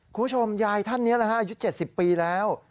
คุณชมยายท่านนี้อยู่๗๐ปีแล้ว